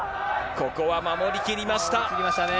ここは守りきりました。